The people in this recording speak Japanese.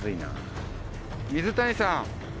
水谷さん。